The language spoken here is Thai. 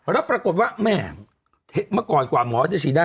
แล้วปรากฏว่าแม่เมื่อก่อนกว่าหมอจะฉีดได้